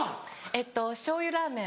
えっと醤油ラーメン。